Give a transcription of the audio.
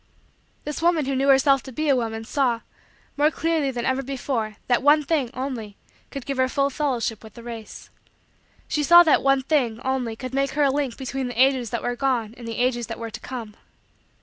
This woman who knew herself to be a woman saw, more clearly than ever before, that one thing, only, could give her full fellowship with the race. She saw that one thing, only, could make her a link between the ages that were gone and the ages that were to come.